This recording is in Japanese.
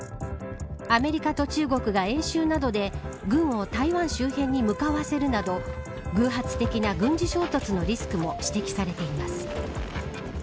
アメリカと中国が演習などで軍を台湾周辺に向かわせるなど偶発的な軍事衝突のリスクも指摘されています。